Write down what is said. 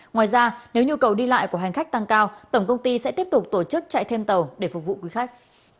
ngoài ra nếu nhu cầu đi lại của hành khách tăng cao tổng công ty sẽ tiếp tục tổ chức chạy thêm tàu để phục vụ quý khách